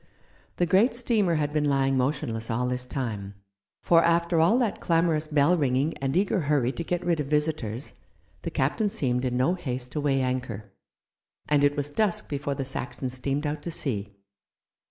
The great steamer had been lying motionless all this time, for, after all that clamorous bell ringing and eager hurry to get rid of visitors, the captain seemed in no haste to weigh anchor, and it was dusk before the Saxon steamed out to sea.